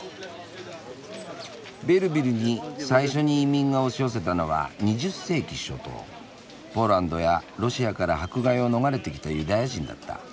「ベルヴィルに最初に移民が押し寄せたのは２０世紀初頭ポーランドやロシアから迫害を逃れてきたユダヤ人だった。